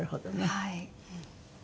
はい。